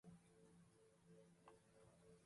目の前にはバスロータリーが広がっている